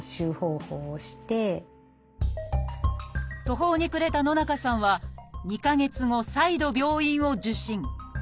途方に暮れた野中さんは２か月後再度病院を受診。